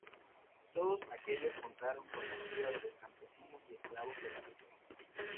Todos ellos contaron con la ayuda de los campesinos y esclavos de la región.